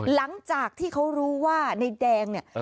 หลังจากที่เขารู้ว่าในแดงเนี่ย